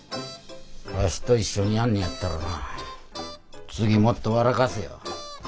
わしと一緒にやんねやったらな次もっと笑かせよ。